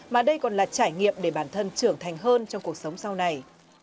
mà đây còn là trải nghiệm để bản thân trưởng thành hơn trong cuộc sống sau này